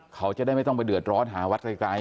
เขาจะได้ไม่ต้องไปเดือดร้อนหาวัดไกล